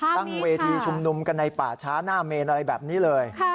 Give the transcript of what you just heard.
ตั้งเวทีชุมนุมกันในป่าช้าหน้าเมนอะไรแบบนี้เลย